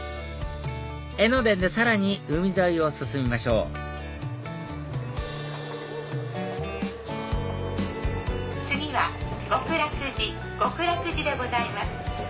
江ノ電でさらに海沿いを進みましょう次は極楽寺極楽寺でございます。